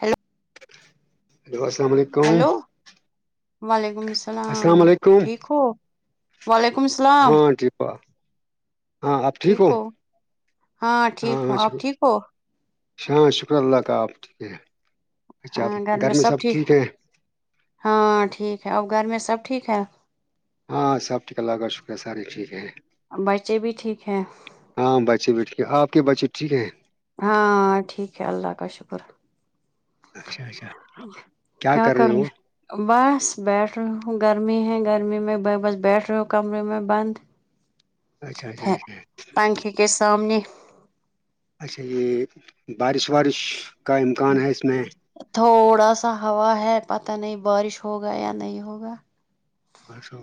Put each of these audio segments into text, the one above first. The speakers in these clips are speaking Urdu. ہیلو ہیلو السلام علیکم ہیلو وعلیکم السلام ٹھیک ہو وعلیکم السلام ہاں ہاں آپ ٹھیک ہو ہاں ٹھیک ہوں آپ ٹھیک ہو اچ ہاں شکر اللہ کا آپ ٹھیک ہے اچھا آ گھر میں سب ٹھیک ہیں ہاں ٹھیک ہے اور گھر میں سب ٹھیک ہے ہاں ساب ٹک لگ شکرہ سارے ٹھیک ہیں بچے بھی ٹھیک ہے ہاں بچے بیٹھ کے آپ کے بچے ٹھیک ہیں ہاں ٹھیک ہے اللہ کا شکر اچھا اچھا کیا کر رہے ہو کرنا بس بیٹھ رہ ہو گرمی ہے گرمی میں بس بیٹ رہ ہو کمرے میں بند اچھا اچھا اچھا پنکھے کے سامنے اچھا یہ بارش وارش کا امکان ہے اس میں تھوڑا سا ہوا ہے پت نہیں بارش ہوگا یا نہیں ہوگا اور س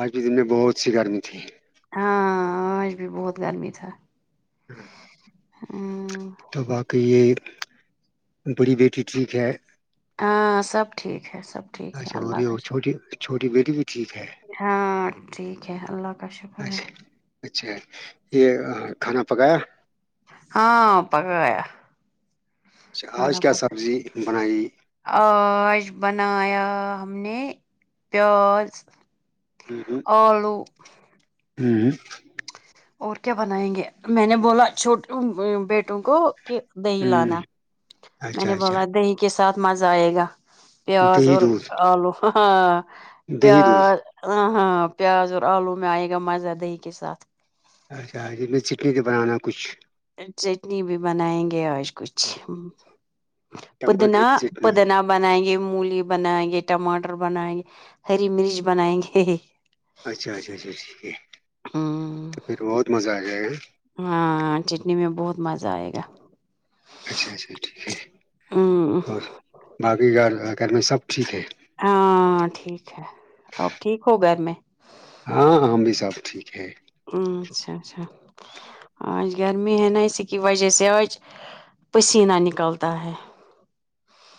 آج بھی دن میں بہت سی گرمی تھی ہاں آج بھی بہت گرمی تھا ہ ہمم تو واقی یہ بڑی بیٹی ٹھیک ہے ہاں سب ٹھیک ہے سب ٹھیک ہے اچھا اور اللہ کا یہ شکر چھوٹی چھوٹی میری بھی ٹھیک ہے ہاں ٹھیک ہے اللہ کا شکر اچھا ہے اچھا یہ کھانا پکایا ہاں پکایا اچھا آج کیا سبزی بنائی عج بنایا ہم نے پیاز ہوں ہوں فالو ہوں اور کیا بنائیں گے میں نے بولا چھوٹ بیٹوں کو کہ دی ہوں، لانانا میں اچھا نے اچھا بولا دہی کے ساتھ مزہ آئے گا پیاز دہی اور دودھ آلو ہاں دہی دودھ پیاز ہاں ہاں پیاز اور آلو میں آئے گا مزہ دہی کے ساتھ اچھا جی میں چٹنی تو بنانا کچھ چٹنی بھی بنائیں گے آج کچھ ٹماٹر پودنا کی چٹنی پودنا بنائیں گے مولی بنائیں گے ٹماٹر بنائیں گے ہری مرچ بنائیں گے اچھا اچھا اچھا ٹھیک ہے ہمم تو پھر بہت مزہ آ جائے گا ہاں چٹنی میں بہت مزہ آئے گا اچھا اچھا ٹھیک ہے ہمم اور باقی گھر گ میں سب ٹھیک ہے ہاں ٹھیک ہے اب ٹھیک ہو گھر میں ہاں ہم بھی سب ٹھیک ہے اچھا اچھا آج گرمی ہے نا اسی کی وجہ سے آج پسینہ نکلتا ہے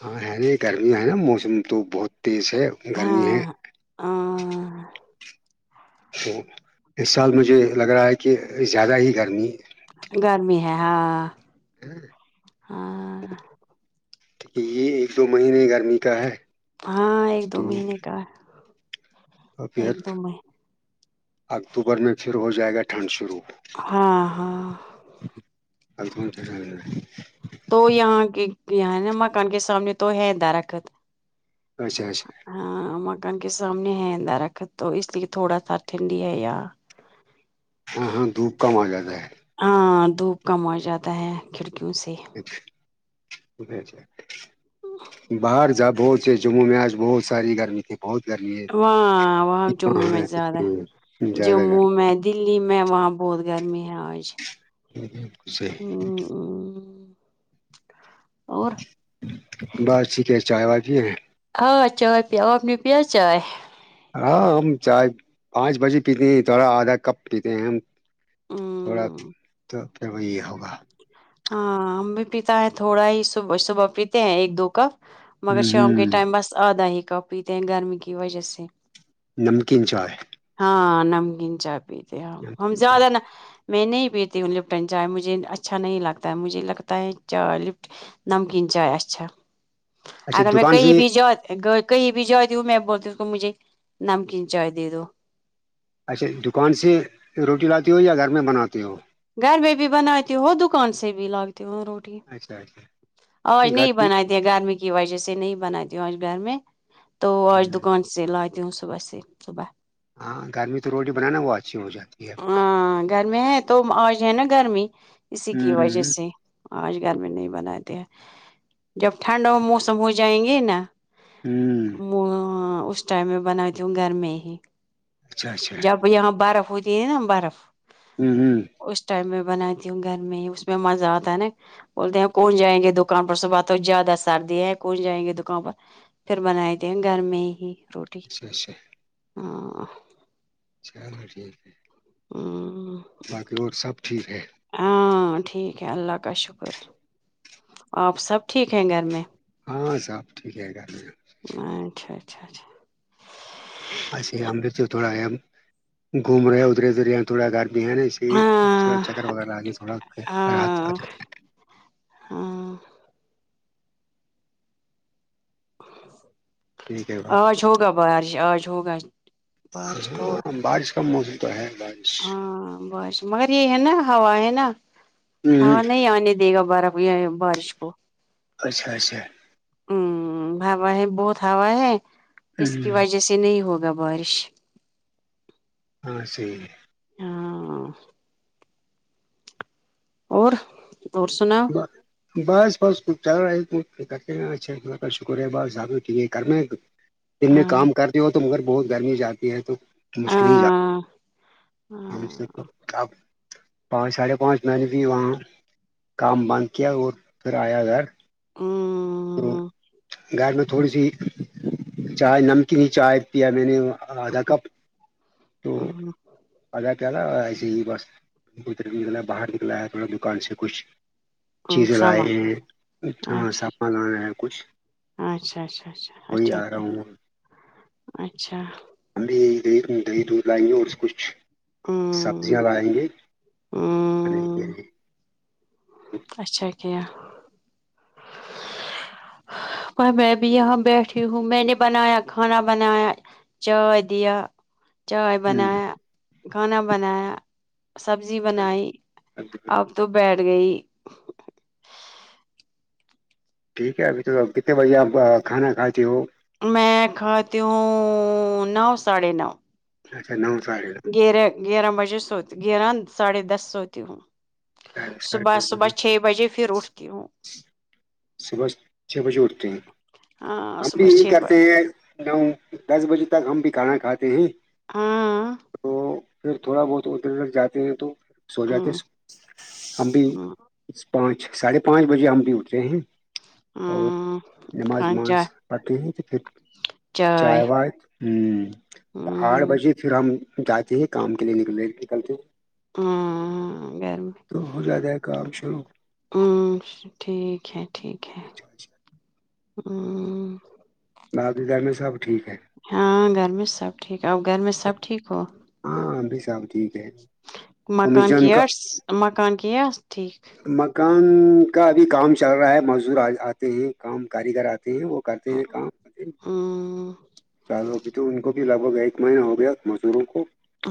ہاں ہے نہیں گرمیاں ہے نا موسم تو بہت تیز ہے گرمی ہے آ تو اس سال مجھے لگ رہا ہے کہ زیادہ ہی گرمی گرمی ہے ہاں ہاں یہ ایک دو مہینے گرمی کا ہے ہاں ایک دو مہینے کا تو پھر ایک دو مہینے اکتوبر میں پھر ہو جائے گا ٹھنڈ شرو ہاں ہاں الے تو یہاں کے یہ نا مکان کے سامنے تو ہے درخت اچھا اچھا ہاں مکان کے سامنے ہے اندہ رکھت تو اس لیے تھوڑا سا ٹھنڈی ہے یار ہاں ہاں دھوپ کم آ جاتا ہے ہاں دھوپ کم آ جاتا ہے کھڑکیوں سے باہر جا بہت ج جموں میں آج بہت ساری گرمی تھی بہترمی ہے وہاں وہاں جموں میں زیادہ ہے زیادہ جموں میں دلی میں وہاں بہت گرمی ہے آج ب بت کھ اور بس ٹھیک ہے چائے وائے بھی ہے ہاں چائے پ آب نو پ چائے ہاں ہم چائے پانچ بجے پیتے ہیں تھوڑا آدھا کپ پیتے ہیں ہم تھوڑا تو پھر وہی ہوگا ہاں ہم بھی پیتا ہے تھوڑا ہی صبح صبح پیتے ہیں ایک دو کا مگر ہ شام کے ہ ٹائم بس آدھا ہی کا پیتے ہیں گرمی کی وجہ سے نمکین چاائے [unintelligible] ہاں نمکین چا پیتے ہم ہم نمکین چائے زیادہ ن میں نہیں پیتی ہوں لپٹن چائے مجھے اچھا نہیں لگا لتا مجھے لگتا ہے چائے لفٹ نمکین چائے اچھا اچھا اگر میں دکان کئی سے بھی جوا کہیں بھی جائے دوں میں بولتی ہوں کو مجھے نمکین چائے دے دو اچھا دکان سے روٹی لاتی ہو یا گھر میں بناتی ہو گھر بھی بھی بناتے تو ہو دکان سے بھی لاگتے وہ روٹی اچھا اچھا آوج گھر نہیں کی بنا دی گرمی کی وجہ سے نہیں بنی آج گھر میں تو آج ہوں، دکان سے لای دیوں صبح س سے صبح ہاں گھر میں تو روٹی بنانا وہ اچھی ہو جاتی ہے ہاں گرمی ہے تو آج ہے نا گرمی اسی کی وجہ ہوں سے آج گھر میں نہیں بناتے ہیں جب ٹھنڈ موسم ہو جائیں گے نا ہوں [unintelligible] م اس ٹائم میں بناتتی ہوں گھر میں ہی اچھا اچھا جب یہاں برف ہوتی ہے نا برف ہوں ہوں اس ٹائم میں بنا تی گرمی اس م میں مزہ آتا آ نا بولتے ہیں کون جائیں گے دکان پر صب بات ہو زیادہ سردی ہے کون جائیں گے دکان پر پھر بنائی دیں گھر میں ہی روٹی اچھا اچھا ہاں چلو ٹھیک ہے [unintelligible] ہ [inaudible] باقی اور سب ٹھیک ہے ہاں ٹھیک ہے اللہ کا شکر آپ سب ٹھیک ہیں گھر میں ہاں صاحب ٹھیک ہے گا یہاں اچھا اچھا اچھا ایسے ہم لے سے تھوڑا یہ گھوم رہے ہیں ادھرے ادھر تھوڑا گھرمی ہے نا تھوڑا ہاں چکر وغیرہ آ تھوڑا ہاں ہاں ٹھیک ہے آج ہوگا بارش آج ہوگا بارش تھوڑا ہاں بارش کا موسم تو ہے بارش ہاں بس مگر یہ ہے نا ہا ہے نا ہا ہوں نہیں آنے دے گا بارف بارش کو [unintelligible] اچھا اچھا ہوں ہا ہے بہت ہا ہے اس کی ہوں وجہ سے نہیں ہوگا بارش ہاں سی [unintelligible] ہاں اور اور سنا [inaudible] بس بس چل رہا ہے کرتے ہیں اچھا ب کا شکریہ بس صاحبو ٹھیک ہے کرنا ہے دن میں ہاں کام کر رہ ہو تو مگر بہت گرمی جاتی ہے تو مھل ہی جات ہاں تو [unintelligible] پانچ ساڑھے پانچ م نے بھی وہاں کام بند کیا اور پھر آیا گھر ہ تو گھر میں تھوڑی سی چائے نمکینی چائے کیا میں نے آدھا کپ ا ہاں آ جا کیا نا ایسے ہی بسر نکلا ہے باہر نکلا ہے تھوڑا دکان سے کچھ چیزیں لائے سمجھ ہیں ہاں اچھا سپان لانا ہے کچھ اچھا اچھا اچھا وہی اچھا آ رہا ہوں اچھا ہمب بھی یہ دی دہی دودھ لائیں گے اور کچھ ہمم سبزیاں لگائیں گے ہمم اچھا کیا پر میں بھی یہاں بیٹھی ہوں میں نے بنایا کھانا بنایا چادیا چائے بنایا کھانا بنایا سبزی بنائی ہ اب تو بیٹھ گئی ٹھیک ہے ابھی تو کتنے بجے آپ کھانا کھاتے ہو میں کھاتی ہوں نو ساڑھے نو اچھا نو ساڑھ گییرہ گیارہ بجے سوتی گیارہ ساڑھے دس سوتی ہوں ساڑھے صبح ساڑھے دس صبح بجے چھ بجے پھر اٹھتی ہوں صبح چھ بجے اٹھتے ہیں ہاں ہم بھی صبح یہی چھ کرتے بجے ہیں نو دس بجے تک ہم بھی کھانا کھاتے ہیں ہاں تو پھر تھوڑا بہت ادھر ادھر جاتے ہیں تو سو جاتے ہمم ہیں ہم بھی ہمم پانچ ساڑھے پانچ بجے ہم بھی اٹھ رہے ہیں اور ہمم نماز کھانچا نماز پڑھتے ہیں کہ پھر چائے وائے ہوں تو آٹھ ہمم بجے پھر ہم جاتے ہیں کام کے لیے نکل نکلتے ہاں ہاں گھر میں تو ہو جاتا ہے کام شروع ہوں ٹھیک ہے ٹھیک ہے اچھا اچھا ہوں ب کے گھر میں سب ٹھیک ہے ہاں گھر میں سب ٹھیک اور گھر میں سب ٹھیک ہو ہاں ابھی صاحب ٹھیک ہے مکان امیجون کا کیاٹس مکان کےس ٹھیک مکان کا ابھی کام چل رہا ہے مزدور آتے ہیں کام کاریگر آتے ہیں اور کرتے ہیں کام ہاں چالو ابھی تو ان کو بھی لگ بھگ ایک مہینہ ہو گیا مزدوروں کو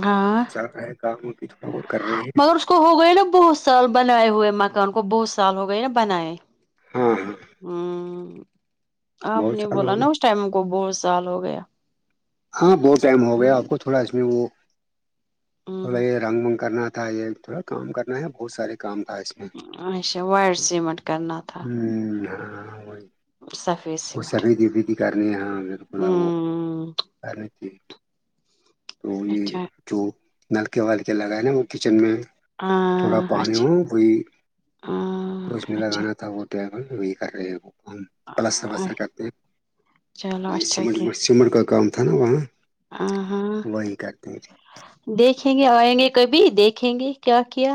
ہاں چل رہا ہے کام وہ بھی تھوڑا بہت کر رہے ہیں مگر اس کو ہو گئے نا بہت سال بنائے ہوئے مکان کو بہت سال ہو گئے نا بنائے ہاں ہاں ہوں آپ بہت نے سال بولا ہو گئے نا اس ٹائم ہم کو بہت سال ہو گیا ہاں بہت ٹائم ہو گیا آپ کو تھوڑا اس میں وہ تھوڑا ہوں یہ رنگ بنگ کرنا تھا یہ تھوڑا کام کرنا ہے بہت سارے کام تھا اس میں اچھا وائر سیمٹ کرنا تھا تھا ہاں سفید وہ سیمنٹ سبھید ودھی کرنی ہاں میرے کو وہ ہوں کر رہے تھی تو یہ اچھا جو نلکے والل کے لگائے ل وہ کچن میں تھوڑا ہاں پانی اچھا ہو وہی تو ہاں اس میں اچھا لگانا تھا وہ ڈرائیور وہی کر رہے ہیں وہ کام پلسس کرتے ہیں چلو یہ س اچھا سمٹ کا کام تھا نا وہاں آ ہاں وہی کرتے ہیں دیکھیں گے آئیں گے کبھی دیکھیں گے کیا کیا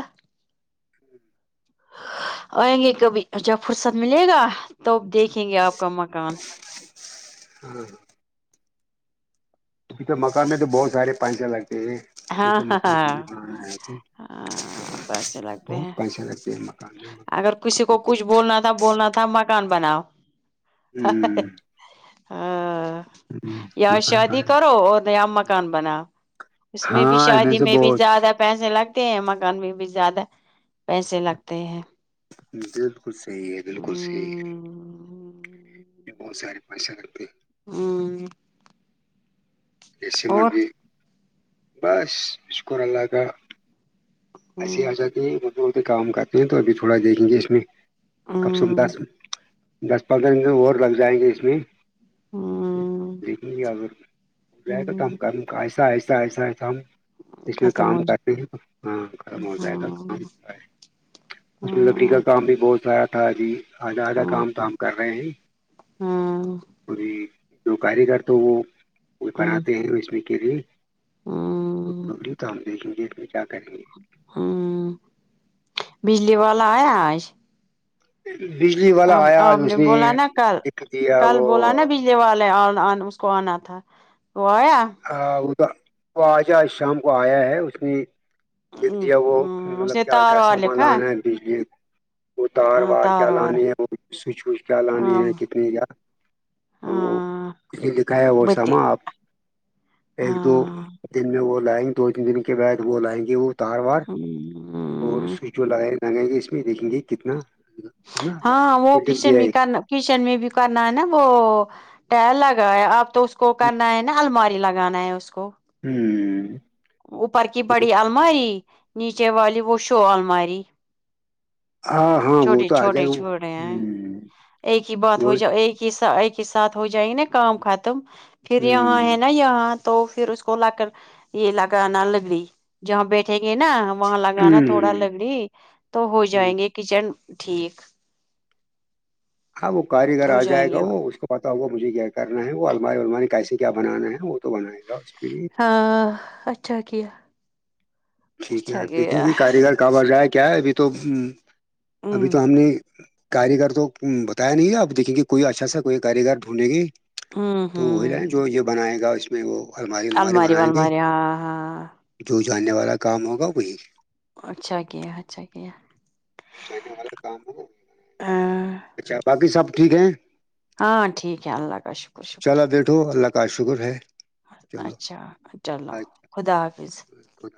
آئیں گے کبھی جب فرصت ملے گا تب دیکھیں گے آپ کا مکان ہاں ہاں ابھی تو مکان میں تو بہت سارے پنچے لگتے ہیں یہ ہاں تو ہاں مکان کو نہیں ہاں بنانا ہے کہ ہاں پیسے لگتے ہیں بہت پیسے لگتے ہیں مکان میں اگر کسی کو م کچھ بولنا تھا بولنا تھا مکان بناؤ ہ یاار مکان کا شادی کرو اور نیا مکان بنا اس میں بھی ہاں ایم شادی ایس میں بھی بہت زیادہ پیسے لگتے ہیں مکان میں بھی زیادہ پیسے لگتے ہیں بالکل صحی ہے بالکل صحیح ہے ہمم بہت سارے پاش کرتے ہیں [unintelligible] [inaudible] ج س اور مندی بس اسک ع الگہ ایسیے ہمم آ جاتی ہیں دور کام کرتے ہیں تو ابھی تھوڑا دیکھیں گے اس میں کم سے کم ہمم دس دس پندرہ منٹ اور لگ جائیں گے اس میں ہاں لیکھیںے اگر ہو جائے گا تو ہمم ہم ایسا ایسا ایسا ایسا ہم اس میں ختم ہو کام جی کرنے ہیں ہاں ختم ہو جائے گا ہاں کام اس میں لکڑی ہاں کا کام بھی بہت ساریا تھا جی آدھا آدھا ہاں کام کام کر رہے ہیں ہاں کوی جو کاریگر تو وہ وہ ہاں بناتے ہیں اس میں کے لیے ہاں تو ہم دیکھیں گے میں کیا کریں گے ہوں بجلی والا ہے آج بجلی و اب آپ نے بولا نا کل دیا کل بوول نا وہ ب پے والے اس کو آنا تھا وہ آیا وہ آجا آج شام کو آیا ہے اس میں جتیا وہ اس مطلب نے کیا تار کیا وار سامان لکھا لانا ہے بجلی وہ تار وار کیا لانی ہے وہ سوچ وچ کیا لانی ہاں ہے کتنی کیا تو ہاں دکھایا وہ بتی ساما آپ ایک دو ہاں دن میں وہ لائیں گے دو تین دن کے بعد وہ لائیں گے وہ تار وار اور سوئچ جو ل لگائ گے اس میں دیکھیں گے کتنا نا ہاں وہ لائے لکھ کشن دیا م ایک کنا کچن میں بھی کرنا ہے نا وہ ٹائر لگا ہے اب تو اس کو کرنا ہے نا الماری لگانا ہے اس کو ہوں اوپر کی بڑی الماری نیچے والی وہ شو الماری [inaudible] ہاں وہ چھوٹیے تو آ چھوٹے جائے چھوٹے ہ ہیں ایک ہی بات ہو وہ جا ایک ہی س ایک کے ساتھ ہو جائیں نا کام ختم پھر یہاں ہ ہے نا یہاں تو پھر اس کو لا کر یہ لگانا لگڑی جہاں بیٹھیں گے نا وہاں لگانا تھوڑا ہ لگڑی تو ہو ہ جائیں گے کچن ٹھیک ہاں وہ کاریگر ہو آ جائیں جائے گا گے وہ اس کو پتا ہوگا مجھے کیا کرنا ہے وہ الماری الماری کیسے کیا بنانا ہے وہ تو بنائے گا کے لیے ہاں اچھا کیا ٹھیک اچھا ہے دیکھیں گیا گے کاریگر کہ بڑ جائے کیا ہے ابھی تو ابھی ہوں تو ہم نے کاریگر تو بتایا نہیں آپ دیکیں گے کوئی اچھا سا کوئی کاریگر ڈھونڈیں گے ہوں تو وہی ہوں رہ جو یہ بنائے گا اس میں وہ الماری الماری بنائیں گے والماری ہاں ہاں جو جاننے والا کام ہوگا وہی اچھا کیا اچھا کیا ج والا کام ہو ہاں اچھا باقی سب ٹھیک ہے ہاں ٹھیک ہے اللہ کا شکر شکر چلو بیٹھو اللہ کا شکر ہے چلو اچھا چلو خدا حافظ کر